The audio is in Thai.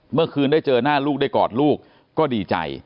เมื่อคืนได้เจอหน้าลูกได้กอดลูกก็ดีใจ